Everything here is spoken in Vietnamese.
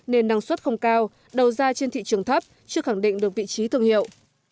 nên năng suất không cao đầu ra trên thị trường thấp chưa khẳng định được vị trí thương hiệu